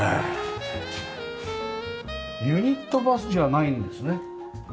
ユニットバスじゃないんですね？